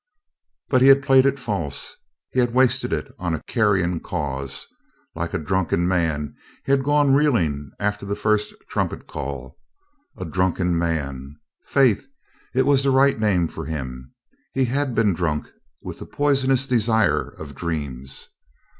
But he had played it false. He had wasted it on a carrion cause. Like a drunken man he had gone reeling after the first trumpet call. A drunken man »— faith it was the right name for him. He had been drunk with the poisonous desire of dreams.